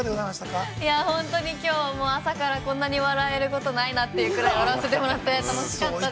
◆いや、本当に、きょうも朝から、こんなに笑えることないなという、笑わせてもらってよかったです。